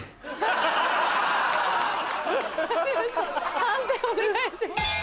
判定お願いします。